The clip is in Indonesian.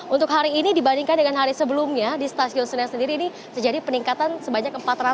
untuk hari ini dibandingkan dengan hari sebelumnya di stasiun senen sendiri ini terjadi peningkatan sebanyak empat ratus